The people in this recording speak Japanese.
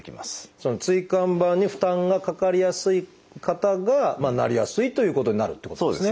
その椎間板に負担がかかりやすい方がなりやすいということになるってことですね。